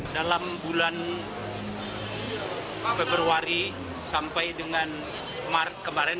dalam bulan februari sampai dengan maret kemarin